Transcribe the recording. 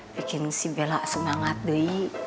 bikin si bela semangat doy